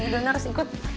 bu dona harus ikut